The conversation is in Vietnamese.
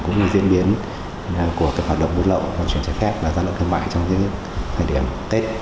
cũng như diễn biến của hoạt động buôn lậu vận chuyển trái phép và gian lận thương mại trong thời điểm tết